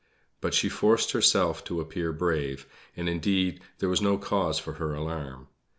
But she forced herself to appear brave, and, indeed, there was no cause for her alarm.